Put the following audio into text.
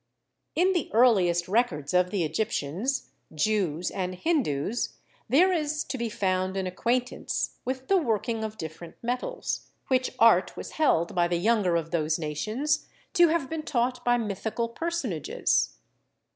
In the earliest records of the Egyptians, Jews and Hin dus there is to be found an acquaintance with the working of different metals, which art was held by the younger of ANCIENT CHEMICAL KNOWLEDGE 15 those nations to have been taught by mythical personages.